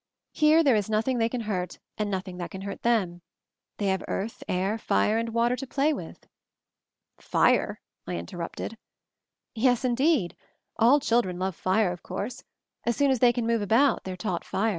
Here there is nothing they can hurt, and nothing that can hurt them. They have earth, air, fire, and water to play with." "Fire?" I interrupted. "Yes, indeed. All children love fire, of course. As soon as they can move about they are taught fire."